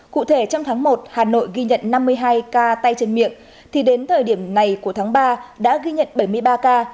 cụ thể trong tháng một hà nội ghi nhận năm mươi hai ca tay chân miệng thì đến thời điểm này của tháng ba đã ghi nhận bảy mươi ba ca